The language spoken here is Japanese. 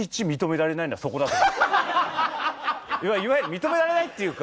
認められないっていうか。